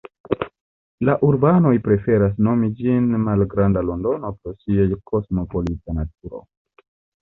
La urbanoj preferas nomi ĝin malgranda Londono pro ĝia kosmopolita naturo.